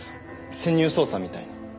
潜入捜査みたいな？